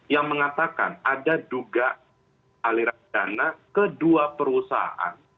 yang mengatakan ada dugaan aliran dana kedua perusahaan